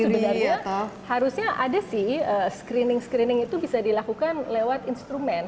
jadi sebenarnya harusnya ada sih screening screening itu bisa dilakukan lewat instrumen